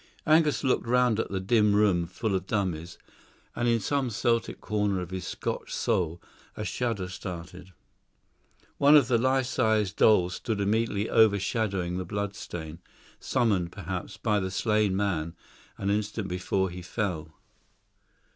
Angus looked round at the dim room full of dummies, and in some Celtic corner of his Scotch soul a shudder started. One of the life size dolls stood immediately overshadowing the blood stain, summoned, perhaps, by the slain man an instant before he fell.